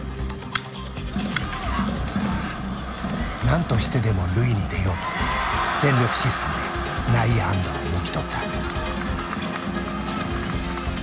何としてでも塁に出ようと全力疾走で内野安打をもぎ取った。